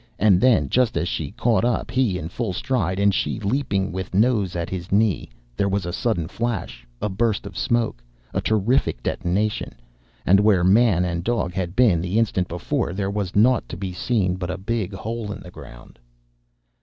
And then, just as she caught up, he in full stride, and she leaping with nose at his knee, there was a sudden flash, a burst of smoke, a terrific detonation, and where man and dog had been the instant before there was naught to be seen but a big hole in the ground.